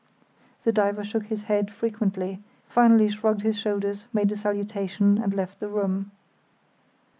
The diver shook his head frequently, finally shrugged his shoulders, made a salutation, and left the room.